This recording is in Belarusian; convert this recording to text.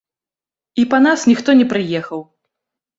І па нас ніхто не прыехаў!